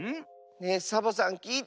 ねえサボさんきいて！